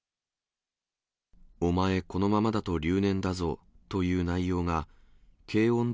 お前このままだと留年だぞという内容が、けいおん！